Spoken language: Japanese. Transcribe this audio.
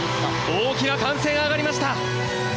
大きな歓声が上がりました！